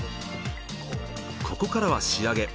ここからは仕上げ。